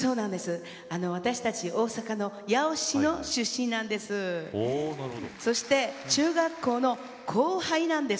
私たち、大阪の八尾市の出身なんです。